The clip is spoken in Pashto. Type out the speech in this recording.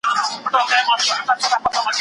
مُلا عزیز دی ټولو ته ګران دی